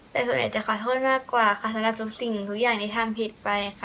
แต่ส่วนใหญ่จะขอโทษมากกว่าค่ะสำหรับทุกสิ่งทุกอย่างที่ทำผิดไปค่ะ